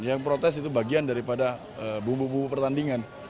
yang protes itu bagian daripada bumbu bumbu pertandingan